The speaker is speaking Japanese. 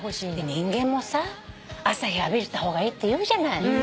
人間もさ朝日浴びた方がいいって言うじゃない。